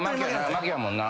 負けやもんな。